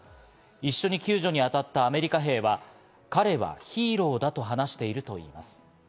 一緒に救助にあたったアメリカ兵は、彼はヒーローだと話しているといいます。